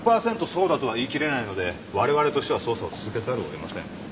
そうだとは言い切れないので我々としては捜査を続けざるをえません。